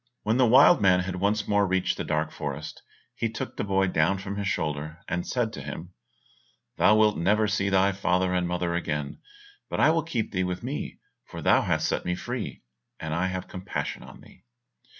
When the wild man had once more reached the dark forest, he took the boy down from his shoulder, and said to him, "Thou wilt never see thy father and mother again, but I will keep thee with me, for thou hast set me free, and I have compassion on thee.